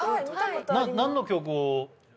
何の曲を？